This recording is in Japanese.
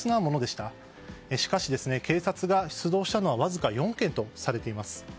しかし、警察が出動したのはわずか４件とされています。